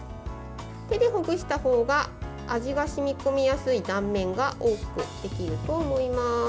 手でほぐした方が味が染み込みやすい断面が多くできると思います。